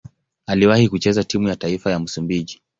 Aliwahi kucheza timu ya taifa ya Msumbiji.